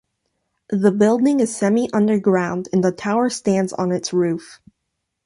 The building is semi-underground and the tower stands on its roof.